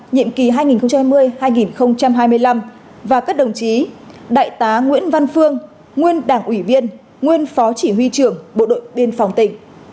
nhiệm kỳ hai nghìn hai mươi hai nghìn hai mươi năm và các đồng chí đại tá nguyễn văn phương nguyên đảng ủy viên nguyên phó chỉ huy trưởng bộ đội biên phòng tỉnh